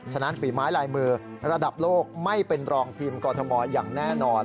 ฉะฝีไม้ลายมือระดับโลกไม่เป็นรองทีมกรทมอย่างแน่นอน